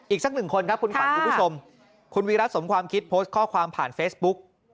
สักหนึ่งคนครับคุณขวัญคุณผู้ชมคุณวีรัติสมความคิดโพสต์ข้อความผ่านเฟซบุ๊ก